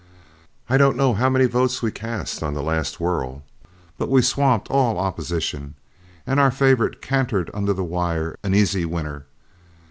I don't know how many votes we cast on the last whirl, but we swamped all opposition, and our favorite cantered under the wire an easy winner.